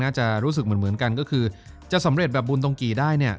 น่าจะรู้สึกเหมือนกันก็คือจะสำเร็จแบบบุญตรงกี่ได้เนี่ย